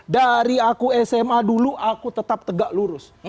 dari aku sma dulu aku tetap tegak lurus